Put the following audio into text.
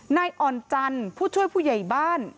นายอ่อนจันทร์ผู้ช่วยผู้ใหญ่บ้าน